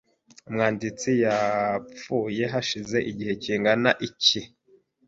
Umwanditsi yapfuye hashize igihe kingana iki?